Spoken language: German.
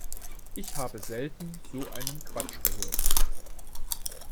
Ich habe selten so einen Quatsch gehört!